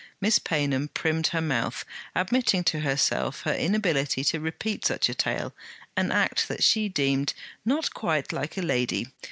Miss Paynham primmed her mouth, admitting to herself her inability to repeat such a tale; an act that she deemed not 'quite like a lady.'